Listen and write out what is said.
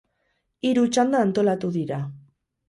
Hiru txanda antolatu dira.